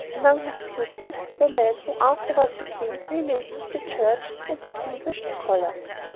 Among his pupils were men who afterward became prelates of the church and distinguished scholars.